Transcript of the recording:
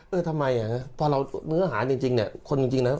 เออทำไมอ่ะพอเรามืออาหารจริงจริงเนี่ย